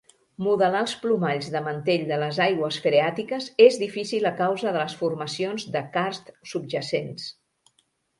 Modelar els plomalls de mantell de les aigües freàtiques és difícil a causa de les formacions de carst subjacents.